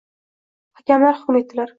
Hakamlar hukm etdilar: